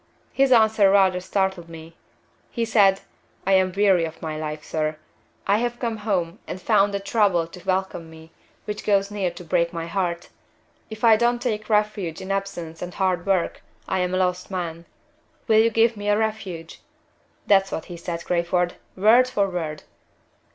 His answer rather startled me. He said, 'I am weary of my life, sir. I have come home and found a trouble to welcome me, which goes near to break my heart. If I don't take refuge in absence and hard work, I am a lost man. Will you give me a refuge?' That's what he said, Crayford, word for word."